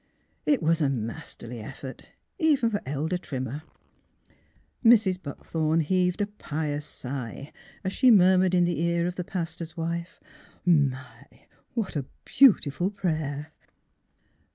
It was a masterly effort, even for Elder Trim mer. Mrs. Buckthorn heaved a pious sigh, as she murmured in the ear of the pastor's wife, '' My! what a beautiful prayer